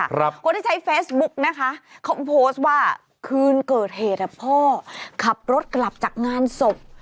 คนที่ใช้เฟซบุ๊กนะคะเขาโพสต์ว่าคืนเกิดเหตุอ่ะพ่อขับรถกลับจากงานศพ